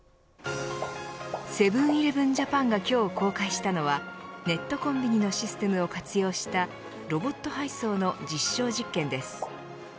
セブン‐イレブン・ジャパンが今日、公開したのはネットコンビニのシステムを活用したロボット配送の実証実験です。